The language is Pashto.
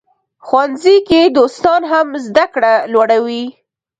ښوونځي کې دوستان هم زده کړه لوړوي.